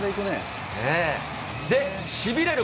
で、しびれる